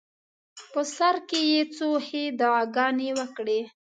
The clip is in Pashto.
په سر کې یې څو ښې دعاګانې وکړې.